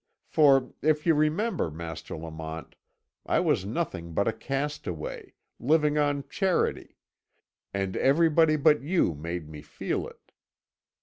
For, if you remember, Master Lamont, I was nothing but a castaway, living on charity, and everybody but you made me feel it.